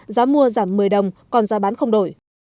giá mua giảm một mươi đồng còn giá bán không đổi